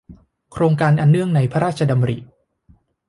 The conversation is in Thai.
โครงการอันเนื่องมาจากพระราชดำริ